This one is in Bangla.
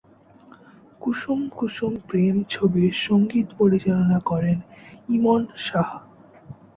কুসুম কুসুম প্রেম ছবির সংগীত পরিচালনা করেন ইমন সাহা।